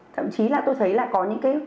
thậm chí là tôi thấy là có những cái